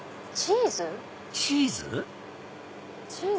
⁉チーズ？